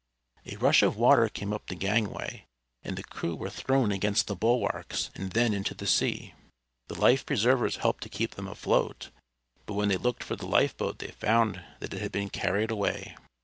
A rush of water came up the gangway, and the crew were thrown against the bulwarks, and then into the sea. The life preservers helped to keep them afloat, but when they looked for the life boat they found that it had been carried away.